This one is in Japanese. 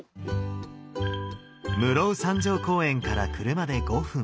室生山上公園から車で５分